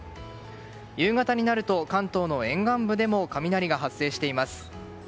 夕方になると関東の沿岸部でも雷が発生しています。